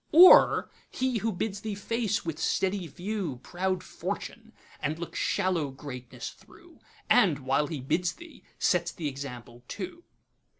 Or he who bids thee face with steady viewProud Fortune, and look shallow Greatness thro',And, while he bids thee, sets th' example too?